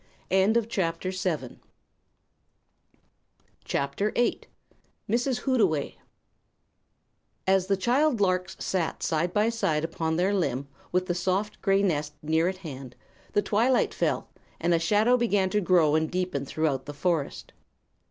[CHAPTER VIII] Mrs. Hootaway As the child larks sat side by side upon their limb, with the soft gray nest near at hand, the twilight fell and a shadow began to grow and deepen throughout the forest.